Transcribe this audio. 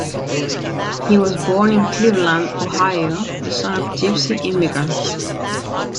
He was born in Cleveland Ohio, the son of gypsy immigrants.